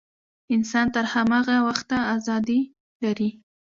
انسان تر هماغه وخته ازادي لري.